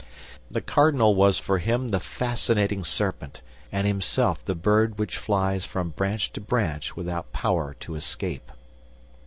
The cardinal was for him the fascinating serpent, and himself the bird which flies from branch to branch without power to escape.